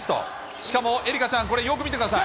しかも愛花ちゃん、これ、よく見てください。